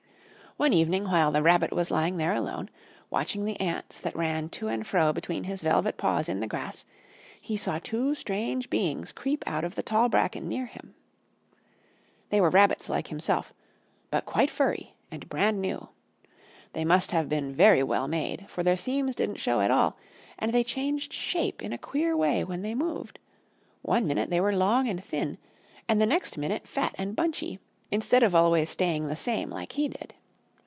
One evening, while the Rabbit was lying there alone, watching the ants that ran to and fro between his velvet paws in the grass, he saw two strange beings creep out of the tall bracken near him. They were rabbits like himself, but quite furry and brand new. They must have been very well made, for their seams didn't show at all, and they changed shape in a queer way when they moved; one minute they were long and thin and the next minute fat and bunchy, instead of always staying the same like he did.